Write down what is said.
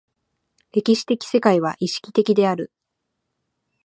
歴史的世界は意識的である。